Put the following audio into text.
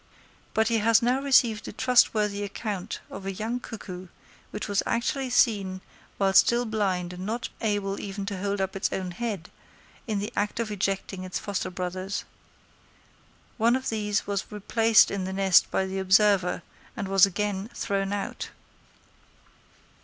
But he has now received a trustworthy account of a young cuckoo which was actually seen, while still blind and not able even to hold up its own head, in the act of ejecting its foster brothers. One of these was replaced in the nest by the observer, and was again thrown out.